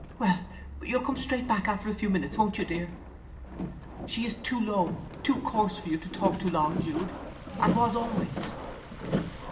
— Well—you'll come straight back, after a few minutes, won't you, dear? She is too low, too coarse for you to talk to long, Jude, and was always!"